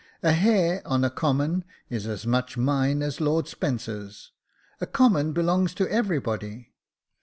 " A hare on a common is as much mine as Lord Spencer's. A common belongs to everybody."